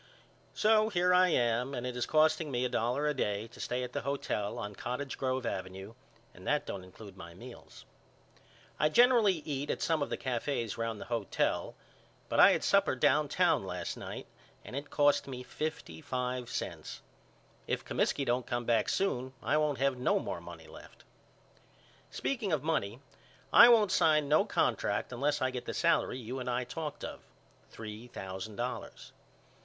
So here I am and it is costing me a dollar a day to stay at the hotel on Cottage Grove Avenue and that don't include my meals. I generally eat at some of the cafes round the hotel but I had supper downtown last night and it cost me fifty five cents. If Comiskey don't come back soon I won't have no more money left. Speaking of money I won't sign no contract unless I get the salary you and I talked of, three thousand dollars.